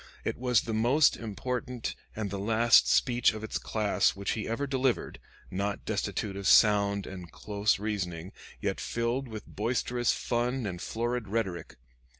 It was the most important and the last speech of its class which he ever delivered not destitute of sound and close reasoning, yet filled with boisterous fun and florid rhetoric.